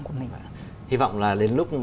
của mình hy vọng là đến lúc